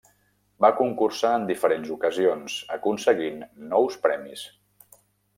Va concursar en diferents ocasions, aconseguint nous premis.